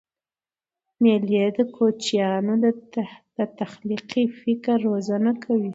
مېلې د کوچنيانو د تخلیقي فکر روزنه کوي.